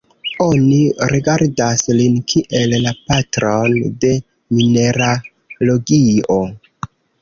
Oni rigardas lin kiel la "patron de mineralogio".